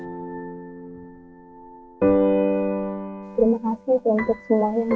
ibu saya tuh katanya tiap malam nangis